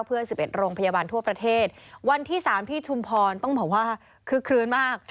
เพื่อ๑๑โรงพยาบาลทั่วประเทศวันที่๓ที่ชุมพรต้องบอกว่าคึกคลื้นมาก